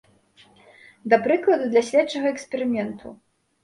Да прыкладу, для следчага эксперыменту.